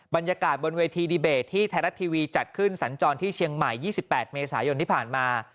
บรรยากาศบนเวทีดีเบตที่ไทยรัฐทีวีจัดขึ้นสัญจรที่เชียงใหม่๒๘เมษายนที่ผ่านมา